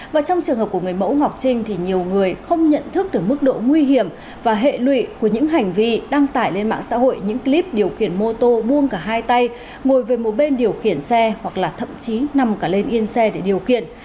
và trong trường hợp của người mẫu ngọc trinh thì nhiều người không nhận thức được mức độ nguy hiểm và hệ lụy của những hành vi đăng tải lên mạng xã hội những clip điều khiển mô tô buông cả hai tay ngồi về một bên điều khiển xe hoặc là thậm chí nằm cả lên yên xe để điều khiển